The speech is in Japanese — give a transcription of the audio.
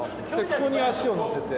ここに足を乗せて。